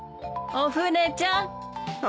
お軽ちゃん。